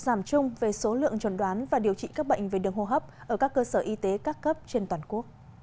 giảm chung về số lượng chuẩn đoán và điều trị vô gia cư